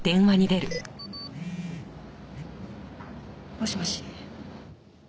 もしもし。